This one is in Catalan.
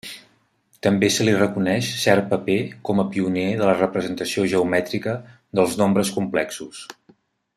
També se li reconeix cert paper com pioner de la representació geomètrica dels nombres complexos.